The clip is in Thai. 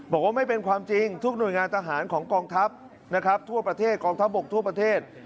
บอกว่าไม่เป็นความจริงทุกหน่วยงานทหารของกองทัพนะครับทั่วประเทศกองทัพบกทั่วประเทศ